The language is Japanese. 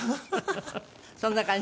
そんな感じ？